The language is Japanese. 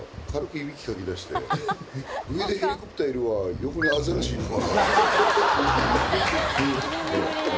上でヘリコプターいるわ横にアザラシいるわ。